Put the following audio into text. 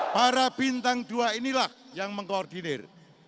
para bintang dua inilah yang mengkoordinir